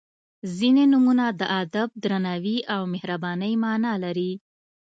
• ځینې نومونه د ادب، درناوي او مهربانۍ معنا لري.